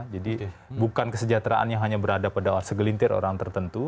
jadi bukan kesejahteraan yang hanya berada pada segelintir orang tertentu